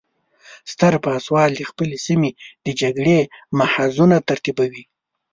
ستر پاسوال د خپلې سیمې د جګړې محاذونه ترتیبوي.